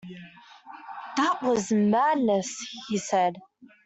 "That was madness," he said.